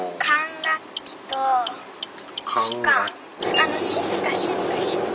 あの静か静か静か。